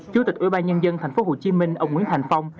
chủ tịch ủy ban nhân dân thành phố hồ chí minh ông nguyễn thành phong